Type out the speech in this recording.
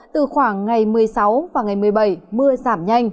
từ khoảng ngày một mươi sáu và ngày một mươi bảy mưa giảm nhanh